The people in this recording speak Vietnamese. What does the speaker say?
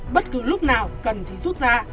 bất cứ lúc nào cần thì rút ra